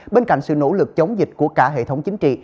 bên cạnh sự nỗ lực chống dịch của cả hệ thống chính trị